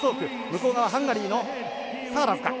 向こう側ハンガリーのサーラズか。